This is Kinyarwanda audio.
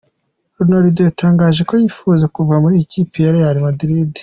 Ronaldo yatangaje ko yifuza kuva mu ikipe ya Real Madrid.